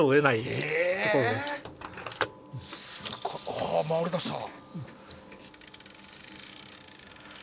あ回りだした。